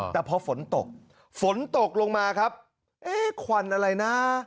แต่พอฝนตกฝนตกลงมาครับเอ๊ะควันอะไรนะ